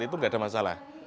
itu enggak ada masalah